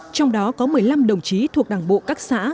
trong đó có một mươi năm đồng chí thuộc đảng bộ các xã